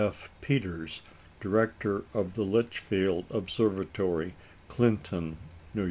F. Peters, director of the Litchfield Observatory, Clinton (N.Y.)